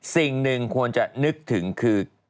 สิ่งหนึ่งควรจะนึกถึงคือ